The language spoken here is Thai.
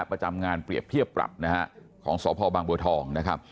ประจำงานเปรียบเทียบปรับนะฮะของสพบางบัวทองนะครับ